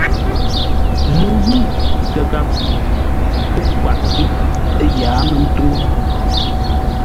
Ləwʉ̂ tə́ ghap kwaʼ ghíʼ ə́ yǎa mə́ ntúŋu.